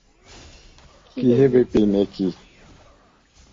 কী হে বিপিন– এ কী?